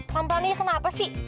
lampan ya kenapa sih